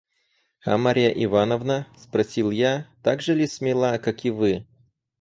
– А Марья Ивановна? – спросил я, – так же ли смела, как и вы?